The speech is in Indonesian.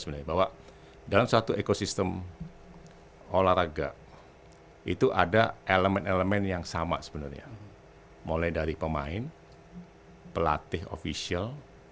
semua orang mempunyai kepentingan